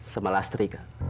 sama lastri kak